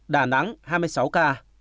đà nẵng hai mươi sáu ca